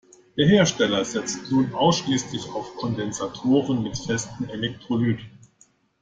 Der Hersteller setzt nun ausschließlich auf Kondensatoren mit festem Elektrolyt.